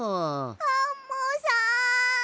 アンモさん。